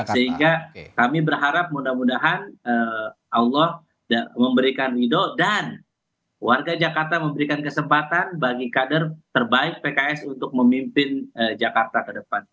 sehingga kami berharap mudah mudahan allah memberikan ridho dan warga jakarta memberikan kesempatan bagi kader terbaik pks untuk memimpin jakarta ke depan